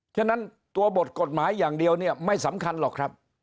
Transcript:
ฉะนั้นตัวบทกฎหมายอย่างเดียวเนี่ยไม่สำคัญหรอกครับ